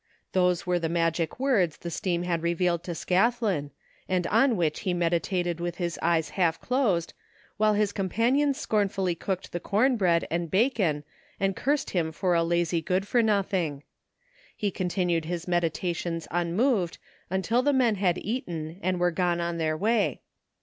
Those were the magic words the steam had re vealed to Scathlin, and on which he meditated with his eyes half closed while his companions scornfully cooked the com bread and bacon and cursed him for a lazy good for nothing. He continued his meditations unmoved until the men had eaten and were gone on their way.